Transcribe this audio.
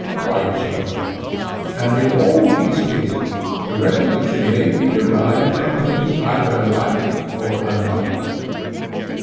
Quite so. And in all these cases, the recollection may be derived from things either like or unlike?